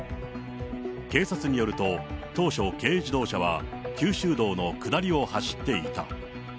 警察によると、当初、軽自動車は九州道の下りを走っていた。